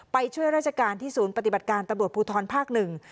ไปช่วยราชการที่ศูนย์ปฏิบัติการตำรวจภูทรภาคหนึ่ง